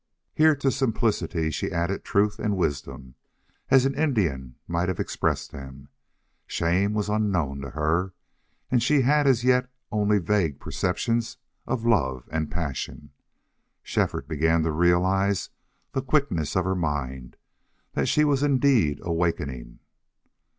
Here to simplicity she added truth and wisdom, as an Indian might have expressed them. But shame was unknown to her, and she had as yet only vague perceptions of love and passion. Shefford began to realize the quickness of her mind, that she was indeed awakening.